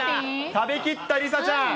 食べきった梨紗ちゃん。